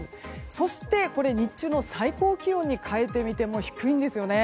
そして日中の最高気温に変えてみても低いんですよね。